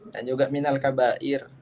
dan juga minalkabair